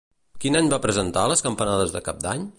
Quin any va presentar les campanades de Cap d'Any?